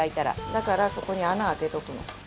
だから底に穴開けとくの。